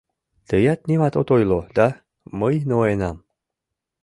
— Тыят нимат от ойло да— Мый ноенам.